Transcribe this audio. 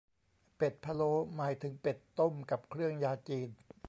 เป็ดพะโล้หมายถึงเป็ดต้มกับเครื่องยาจีน